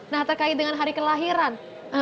nah terkait dengan hari kelahiran